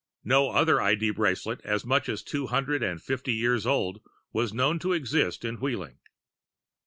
No other ID bracelet as much as two hundred and fifty years old was known to exist in Wheeling.